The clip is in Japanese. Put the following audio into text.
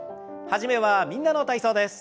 始めは「みんなの体操」です。